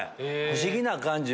不思議な感じ